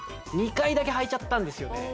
２回だけ履いちゃったんですよね